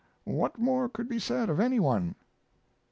What more could be said of any one?